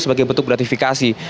sebagai bentuk gratifikasi